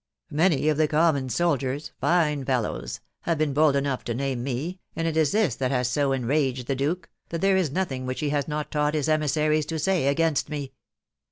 Many of the common soldiers — fine fel lows !— have been bold enough to name me, and it is this that has so enraged the Duke, that there is nothing which he has not taught his emissaries to say against me.